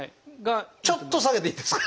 ちょっと下げていいですか？